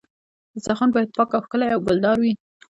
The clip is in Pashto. دسترخوان باید پاک او ښکلی او ګلدار وي.